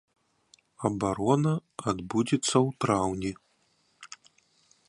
Абарона адбудзецца ў траўні.